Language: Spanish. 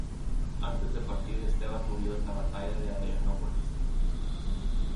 Antes de partir Esteban murió en la batalla de Adrianópolis.